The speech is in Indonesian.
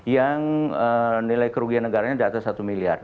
yang nilai kerugian negaranya di atas satu miliar